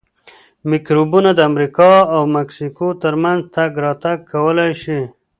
میکروبونه د امریکا او مکسیکو ترمنځ تګ راتګ کولای شي.